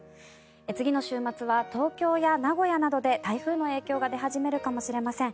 次の週末は東京や名古屋などで台風の影響が出始めるかもしれません。